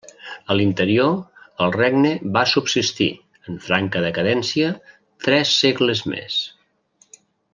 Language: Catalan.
A l'interior el regne va subsistir, en franca decadència, tres segles més.